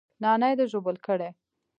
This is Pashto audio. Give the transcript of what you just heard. نانى دې ژوبل کړى.